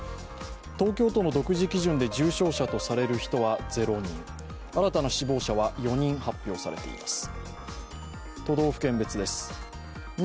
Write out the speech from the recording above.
東京都の独自基準で重症者とされる人は０人新たな死亡者は４人発表されています。